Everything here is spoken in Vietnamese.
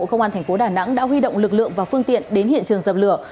công an thành phố đà nẵng đã huy động lực lượng và phương tiện đến hiện trường dập lửa